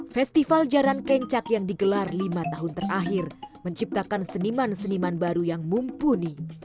festival jaran kencak yang digelar lima tahun terakhir menciptakan seniman seniman baru yang mumpuni